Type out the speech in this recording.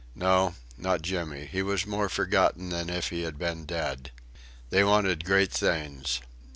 No, not Jimmy; he was more forgotten than if he had been dead. They wanted great things.